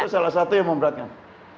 ya itu salah satu yang memperhatikan